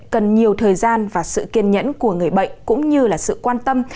cần nhiều thời gian và sự kiên nhẫn của người bệnh cũng như là sự quan tâm